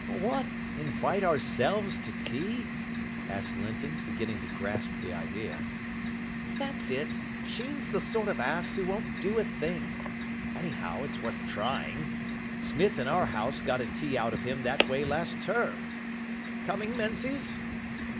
"What, invite ourselves to tea?" asked Linton, beginning to grasp the idea. "That's it. Sheen's the sort of ass who won't do a thing. Anyhow, its worth trying. Smith in our house got a tea out of him that way last term. Coming, Menzies?"